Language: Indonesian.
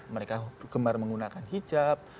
mereka gemar menggunakan hijab